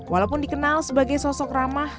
walaupun dikenal sebagai sosok ramah